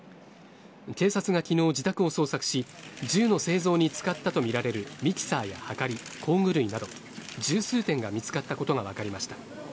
警察が昨日、自宅を捜索し銃の製造に使ったとみられるミキサーや、はかり、工具類など１０数点が見つかったことが分かりました。